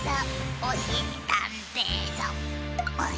おしりたんていさん